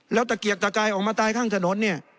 แล้วตะเกียกตะกายออกมาตายข้างถนนเนี่ย